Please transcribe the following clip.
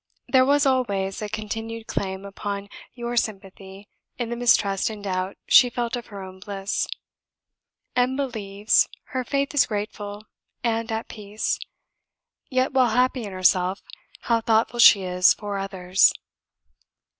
There was always a continued claim upon your sympathy in the mistrust and doubt she felt of her own bliss. M believes; her faith is grateful and at peace; yet while happy in herself, how thoughtful she is for others!"